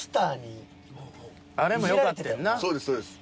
そうですそうです。